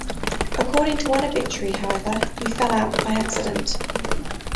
According to one obituary, however, he fell out by accident.